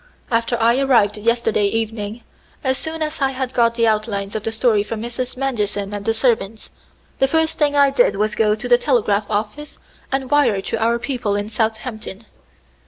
After I arrived yesterday evening, as soon as I had got the outlines of the story from Mrs. Manderson and the servants, the first thing I did was to go to the telegraph office and wire to our people in Southampton.